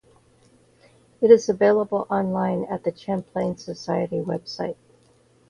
It is available online at the Champlain Society website.